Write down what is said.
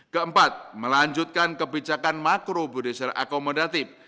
keempat melanjutkan kebijakan makro budisar akomodatif